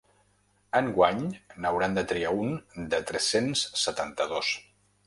Enguany n’hauran de triar un de tres-cents setanta-dos.